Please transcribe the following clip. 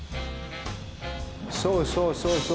そうそうそうそう。